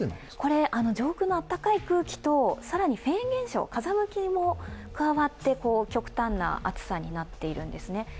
上空のあったかい空気と更にフェーン現象、風向きも加わって極端な暑さになっているんですね。